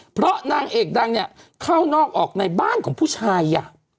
เพราะนางเอกดังเนี่ยเข้านอกออกในบ้านของผู้ชาย